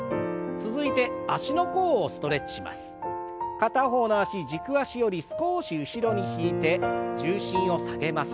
片方の脚軸足より少し後ろに引いて重心を下げます。